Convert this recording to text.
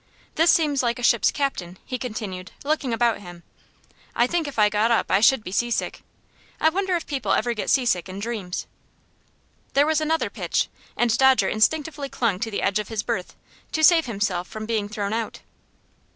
"This seems like a ship's cabin," he continued, looking about him. "I think if I got up I should be seasick. I wonder if people ever get seasick in dreams?" There was another pitch, and Dodger instinctively clung to the edge of his berth, to save himself from being thrown out.